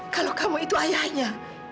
kalau kamu itu ayahnya